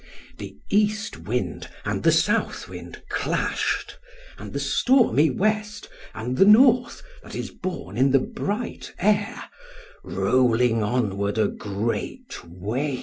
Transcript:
The East Wind and the South Wind clashed, and the stormy West, and the North, that is born in the bright air, rolling onward a great wave."